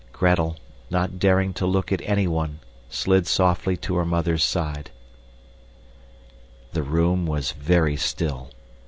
Gretel, not daring to look at anyone, slid softly to her mother's side. The room was very still.